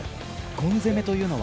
ゴン攻めというのは？